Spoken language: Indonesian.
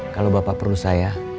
kalo bapak perlu saya